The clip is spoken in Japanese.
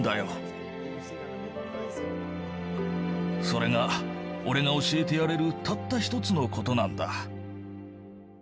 それが俺が教えてやれるたった一つのことなんだ。